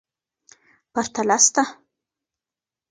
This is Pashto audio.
پرتله سته.